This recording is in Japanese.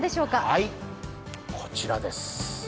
はい、こちらです。